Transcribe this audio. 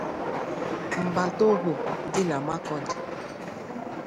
Mbatoho dị na Makurdi